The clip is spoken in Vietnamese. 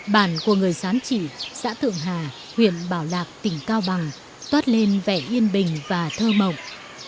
bản của người sán trị xã thượng hà huyện bảo lạc tỉnh cao bằng toát lên vẻ yên bình và thơ mộng